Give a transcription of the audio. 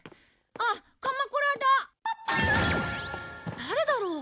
誰だろう？